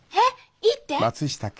いいって？